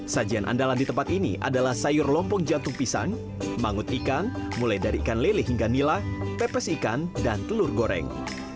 sajian andalan di tempat ini adalah sayur lompong jantung pisang mangut ikan mulai dari ikan lele hingga nila pepes ikan dan telur goreng